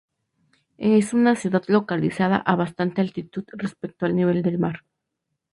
Es una ciudad localizada a bastante altitud respecto al nivel del mar.